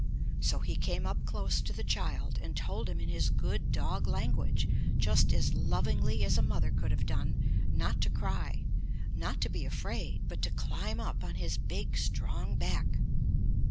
So he came up close to the child, and told him in his good dog language just as lovingly as a mother could have done, not to cry, not to be afraid, but to climb up on his big, strong back.